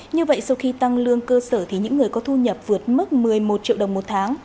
như vậy sau khi tăng lương cơ sở thì những người có thu nhập vượt mức một mươi một triệu đồng một tháng